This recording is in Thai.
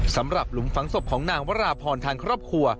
หลุมฝังศพของนางวราพรทางครอบครัว